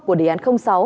của đề án sáu